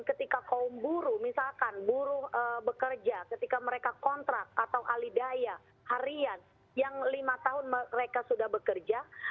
mereka kaum buruh misalkan buruh bekerja ketika mereka kontrak atau alidaya harian yang lima tahun mereka sudah bekerja